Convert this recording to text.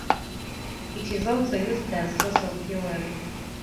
It is also used as source of fuel.